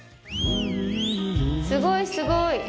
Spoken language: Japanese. すごいすごい。